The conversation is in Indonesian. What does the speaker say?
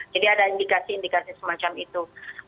jadi ada indikasi indikasi semacam itu